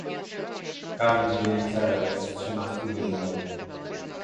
Każdy dzieli celę z trzema współwięźniami